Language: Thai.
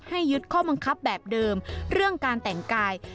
ยึดข้อบังคับแบบเดิมเรื่องการแต่งกาย